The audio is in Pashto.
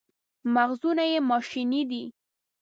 مغزونه یې ماشیني دي.